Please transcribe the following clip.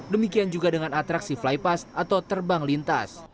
demikian juga dengan atraksi fly pass atau terbang lintas